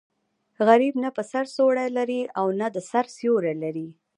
غریب نه په سر څوړی لري او نه د سر سیوری.